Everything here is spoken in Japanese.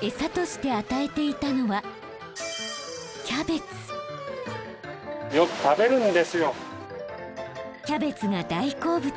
餌として与えていたのはキャベツが大好物。